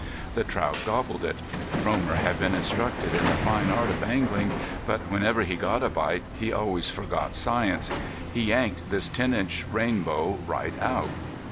The trout gobbled it. Romer had been instructed in the fine art of angling, but whenever he got a bite he always forgot science. He yanked this ten inch rainbow right out.